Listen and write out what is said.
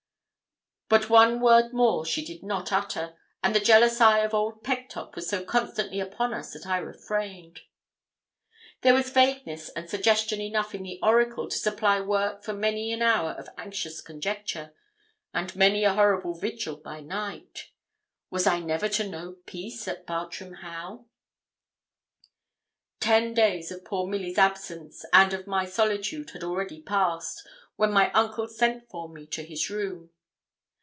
But one word more she did not utter, and the jealous eye of old Pegtop was so constantly upon us that I refrained. There was vagueness and suggestion enough in the oracle to supply work for many an hour of anxious conjecture, and many a horrible vigil by night. Was I never to know peace at Bartram Haugh? Ten days of poor Milly's absence, and of my solitude, had already passed, when my uncle sent for me to his room.